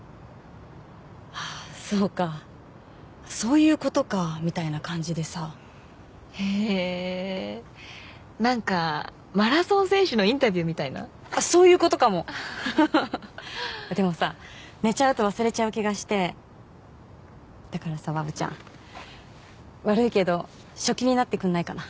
ああーそうかそういうことかみたいへえーなんかマラソン選手のインタビューみそういうことかもははははっでもさ寝ちゃうと忘れちゃう気がしてだからさわぶちゃん悪いけど書記になってくんないかな？